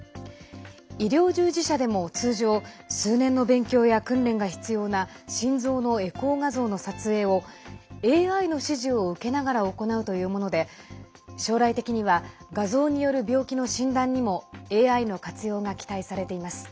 医療従事者でも通常数年の勉強や訓練が必要な心臓のエコー画像の撮影をＡＩの指示を受けながら行うというもので将来的には画像による病気の診断にもＡＩの活用が期待されています。